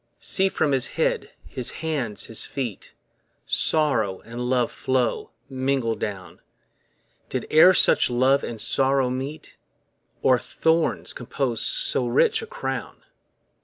See from his head, his hands, his feet, Sorrow and love flow, mingled down; Did e're such love and sorrow meet? Or thorns compose so rich a crown?